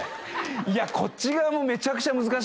いやこっち側もめちゃくちゃ難しいですね。